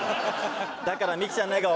だからミキちゃんの笑顔